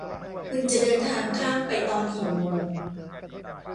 คุณจะเดินทางข้ามไปตอนกี่โมง